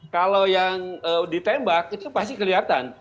kalau yang ditembak itu pasti kelihatan